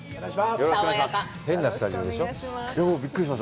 よろしくお願いします。